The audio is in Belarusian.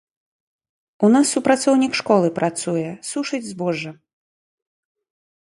У нас супрацоўнік школы працуе, сушыць збожжа.